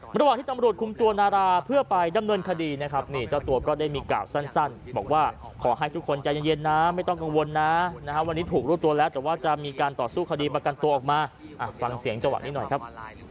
ระหว่างที่ตำรวจคุมตัวนาราเพื่อไปดำเนินคดีนะครับนี่เจ้าตัวก็ได้มีกล่าวสั้นบอกว่าขอให้ทุกคนใจเย็นนะไม่ต้องกังวลนะวันนี้ถูกรวบตัวแล้วแต่ว่าจะมีการต่อสู้คดีประกันตัวออกมาฟังเสียงจังหวะนี้หน่อยครับ